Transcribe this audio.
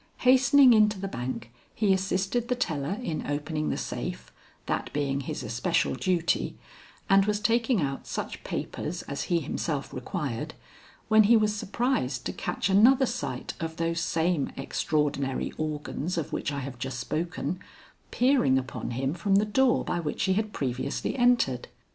Hastening into the Bank, he assisted the teller in opening the safe, that being his especial duty, and was taking out such papers as he himself required, when he was surprised to catch another sight of those same extraordinary organs of which I have just spoken, peering upon him from the door by which he had previously entered.